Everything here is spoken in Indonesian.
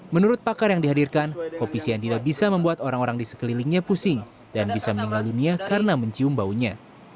menurut pakar yang dihadirkan kopi cyanida bisa membuat orang orang di sekelilingnya pusing dan bisa meninggal dunia karena mencium baunya